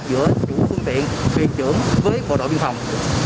giữa chủ phương tiện thuyền trưởng với bộ đội biên phòng